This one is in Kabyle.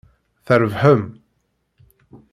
Trebḥem.